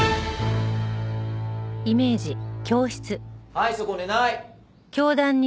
はいそこ寝ない！